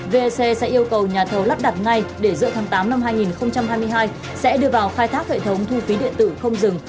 vec sẽ yêu cầu nhà thầu lắp đặt ngay để giữa tháng tám năm hai nghìn hai mươi hai sẽ đưa vào khai thác hệ thống thu phí điện tử không dừng